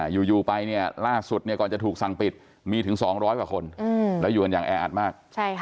อยู่ไปเนี่ยล่าสุดก่อนจะถูกสั่งปิดมีถึง๒๐๐กว่าคนแล้วอยู่กันอย่างแออัดมาก